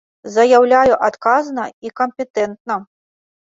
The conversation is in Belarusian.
Заяўляю адказна і кампетэнтна!